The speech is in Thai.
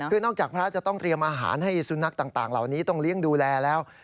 คือนอกจากพระจะต้องเตรียมอาหารให้สุนัขต่างเหล่านี้ต้องเลี้ยงดูแลแล้ว